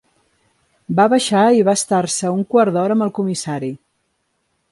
Va baixar i va estar-se un quart d'hora amb el Comissari.